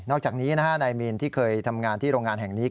อกจากนี้นายมีนที่เคยทำงานที่โรงงานแห่งนี้